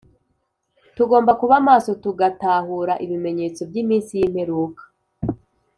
Tugomba kuba maso tugatahura ibimenyetso by iminsi y imperuka